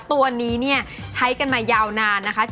ตัวนี้เนี่ยใช้กันมายาวนานนะคะ